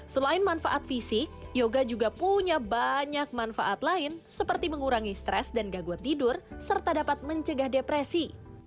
selain manfaat fisik yoga juga punya banyak manfaat lain seperti mengurangi stres dan gaguan tidur serta dapat mencegah depresi